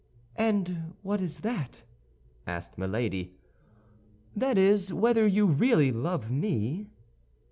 "And what is that?" asked Milady. "That is, whether you really love me?"